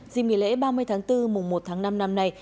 dìm nghỉ lễ ba mươi tháng bốn mùng một tháng năm năm nay